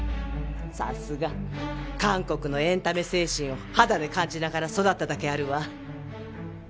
さすが韓国のエンタメ精神を肌で感じながら育っただけあるわ。